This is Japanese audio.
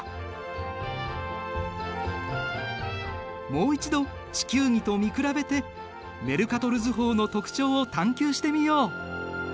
もう一度地球儀と見比べてメルカトル図法の特徴を探究してみよう。